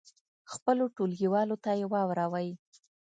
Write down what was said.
خپلو ټولګیوالو ته یې واوروئ.